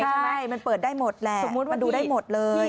ใช่มันเปิดได้หมดแหละสมมุติมันดูได้หมดเลย